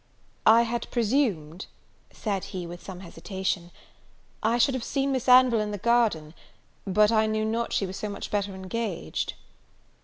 "I had presumed," said he, with some hesitation, "I should have seen Miss Anville in the garden; but I knew not she was so much better engaged."